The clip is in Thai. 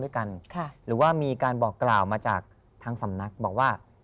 หรือว่ามีการบอกกล่าวมาจากทางสำนักบอกว่า